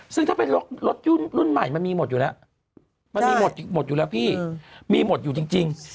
ซึ่งถ้าเป็นรถรุ่นใหม่มันมีหมดอยู่แล้วมันมีหมดอยู่แล้วพี่มีหมดอยู่จริง